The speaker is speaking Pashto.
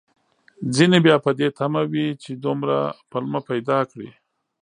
ځينې بيا په دې تمه وي، چې دومره پلمه پيدا کړي